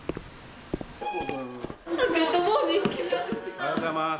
おはようございます。